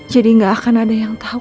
jadi gak akan ada yang tau